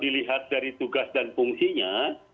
dilihat dari tugas dan fungsinya